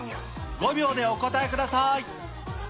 ５秒でお答えください。